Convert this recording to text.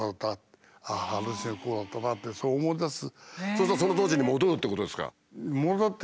そうするとそうするとその当時に戻るってことですか？